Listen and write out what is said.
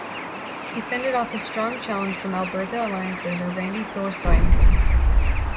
He fended off a strong challenge from Alberta Alliance leader Randy Thorsteinson.